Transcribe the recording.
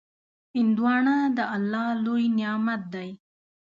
هندوانه د الله لوی نعمت دی.